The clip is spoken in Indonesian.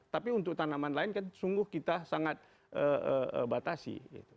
tapi untuk tanaman lain kan sungguh kita sangat batasi